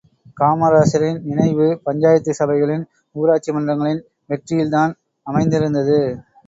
காமராசரின் நினைவு பஞ்சாயத்து சபைகளின் ஊராட்சி மன்றங்களின் வெற்றியில் தான் அமைந்திருந்தது.